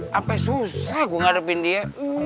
sampai susah gue ngadepin dia